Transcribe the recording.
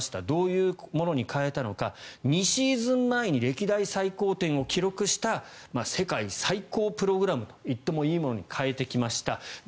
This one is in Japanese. どういうものに変えたのか２シーズン前に歴代最高点を記録した世界最高プログラムといってもいいものに変えてきました。